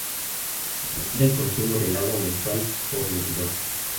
Se cancela el consumo del agua mensual por medidor.